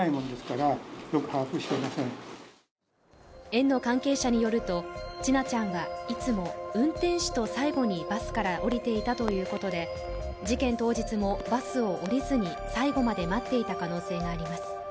園の関係者によると、千奈ちゃんはいつも運転手と最後にバスから降りていたということで事件当日もバスを降りずに最後まで待っていた可能性があります。